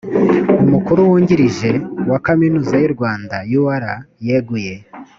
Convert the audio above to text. umukuru wungirije wa kaminuza y’u rwanda ur yeguye